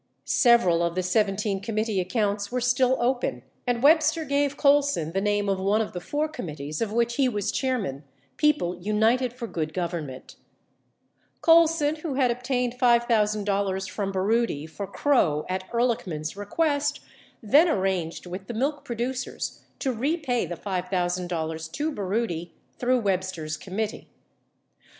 76 Several of the 17 committee accounts were still open, and Webster gave Colson the name of one of the 4 committees of which he was chair man — People United for Good Government. Colson, who had obtained $5,000 from Baroody for Krogh at Ehrlichman's request, then arranged with the milk producers to repay the $5,000 to Baroody through Webster's committee.